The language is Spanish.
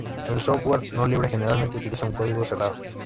El software no libre generalmente utiliza un código cerrado.